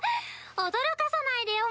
驚かさないでよ